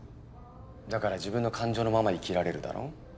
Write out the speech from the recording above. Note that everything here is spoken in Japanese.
だから自分の感情のまま生きられるだろ。